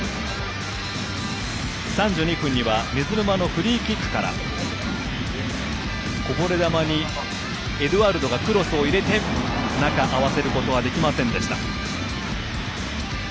３２分水沼のフリーキックからこぼれ球にエドゥアルドがクロスを入れて合わせることができませんでした。